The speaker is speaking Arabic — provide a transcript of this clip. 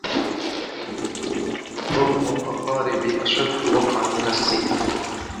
ظلم الأقارب أشد وقعا من السيف